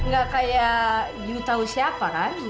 gak kayak you tahu siapa kan